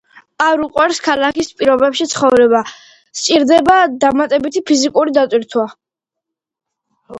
არ უყვარს ქალაქის პირობებში ცხოვრება, სჭირდება დამატებითი ფიზიკური დატვირთვა.